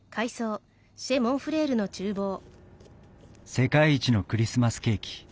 世界一のクリスマスケーキ。